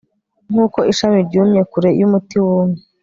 nkuko ishami ryumye kure yumuti wumye